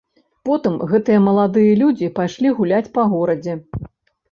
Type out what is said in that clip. Потым гэтыя маладыя людзі пайшлі гуляць па горадзе.